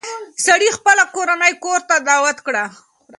سړي خپله کورنۍ کور ته دعوت کړه.